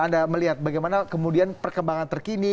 anda melihat bagaimana kemudian perkembangan terkini